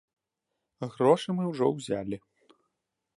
Грошы мы ўжо ўзялі.